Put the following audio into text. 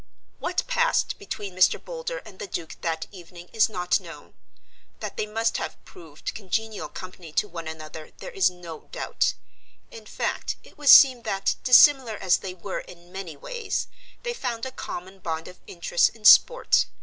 What passed between Mr. Boulder and the Duke that evening is not known. That they must have proved congenial company to one another there is no doubt. In fact, it would seem that, dissimilar as they were in many ways, they found a common bond of interest in sport.